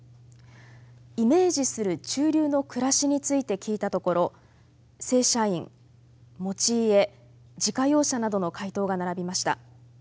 イメージする中流の暮らしについて聞いたところ正社員持ち家自家用車などの回答が並びました。